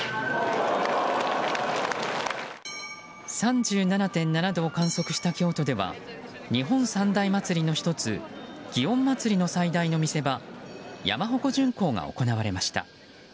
３７．７度を観測した京都では日本三大祭りの１つ祇園祭の最大の見せ場山鉾巡行が行われました。